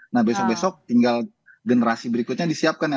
nah besok besok tinggal generasi berikutnya disiapkan ya